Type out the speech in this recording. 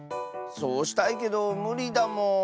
そうしたいけどむりだもん。